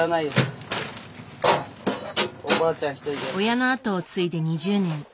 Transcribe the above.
親の後を継いで２０年。